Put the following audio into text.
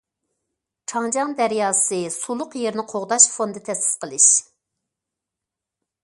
چاڭجياڭ دەرياسى سۇلۇق يېرىنى قوغداش فوندى تەسىس قىلىش.